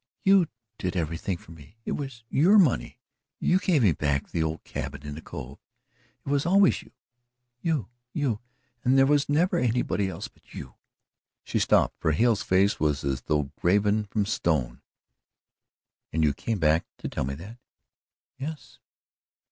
YOU did everything for me. It was YOUR money. YOU gave me back the old cabin in the Cove. It was always you, you, YOU, and there was never anybody else but you." She stopped for Hale's face was as though graven from stone. "And you came back to tell me that?" "Yes."